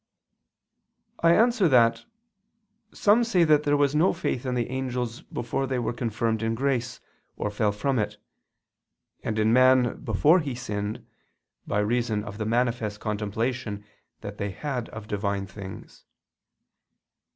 I answer that, Some say that there was no faith in the angels before they were confirmed in grace or fell from it, and in man before he sinned, by reason of the manifest contemplation that they had of Divine things.